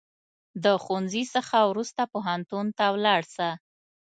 د ښوونځي څخه وروسته پوهنتون ته ولاړ سه